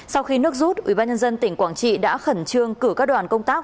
sau khi nước rút ubnd tỉnh quảng trị đã khẩn trương cử các đoàn công tác